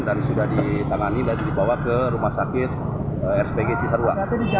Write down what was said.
dan sudah ditangani dan dibawa ke rumah sakit rspg cisarua